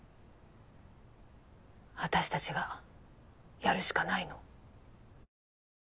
私達がやるしかないの。